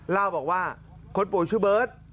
เล่าบอกว่าคนป่วยชื่อเบิร์ต